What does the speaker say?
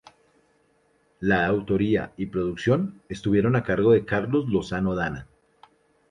La autoría y la producción estuvieron a cargo de Carlos Lozano Dana.